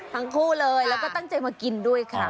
ทั้งคู่เลยแล้วก็ตั้งใจมากินด้วยค่ะ